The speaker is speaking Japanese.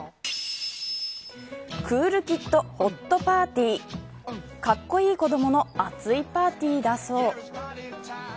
クールキッド・ホットパーティー格好いい子どものアツいパーティーだそう。